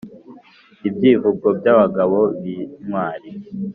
Ibyivugo by'abagabo b'intwali